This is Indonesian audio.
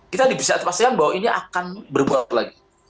kita bisa pastikan bahwa ini akan berbuat lagi